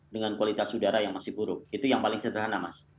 dengan kualitas udara yang masih buruk itu yang paling sederhana mas